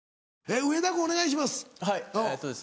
上田君お願いします。